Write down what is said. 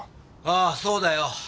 ああそうだよ。